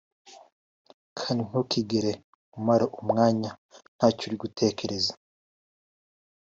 kandi ntukigere umara umwanya ntacyo uri gutekereza